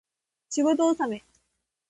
仕事納め